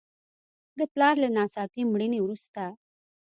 د پلار له ناڅاپي مړینې وروسته.